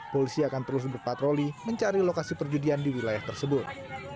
polisi akan terus berpatroli mencari lokasi perjudian di wilayah tersebut